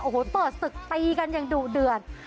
โอ้โหเปิดศึกตีกันอย่างดุเดือด